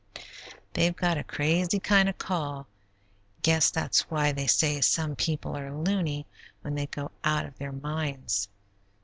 They've got a crazy kind of a call; guess that's why they say some people are 'loony' when they go out of their minds.